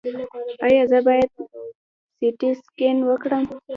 ایا زه باید سټي سکن وکړم؟